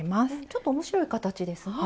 ちょっと面白い形ですね。